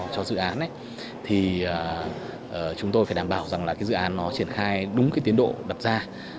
cho dự án thì chúng tôi phải đảm bảo dự án triển khai đúng tiến độ đập ra